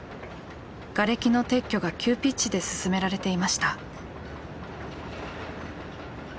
がれきの撤去が急ピッチで進められていました。